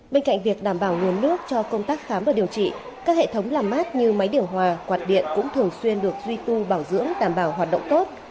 bên cạnh việc đảm bảo nguồn nước cho công tác khám và điều trị các hệ thống làm mát như máy điều hòa quạt điện cũng thường xuyên được duy tu bảo dưỡng đảm bảo hoạt động tốt